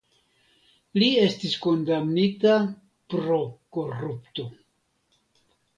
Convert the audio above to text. Li estis kondamnita pro korupto.